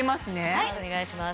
はいお願いします。